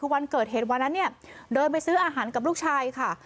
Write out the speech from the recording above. วันเกิดเหตุวันนั้นเนี่ยเดินไปซื้ออาหารกับลูกชายค่ะ